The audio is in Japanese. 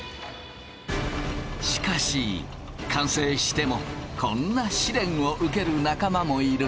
しかし完成してもこんな試練を受ける仲間もいる。